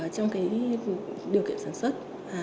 trong cái điều kiện sản xuất